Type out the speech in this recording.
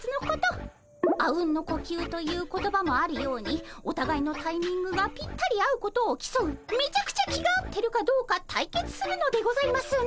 「阿吽の呼吸」という言葉もあるようにおたがいのタイミングがぴったり合うことをきそうめちゃくちゃ気が合ってるかどうか対決するのでございますね。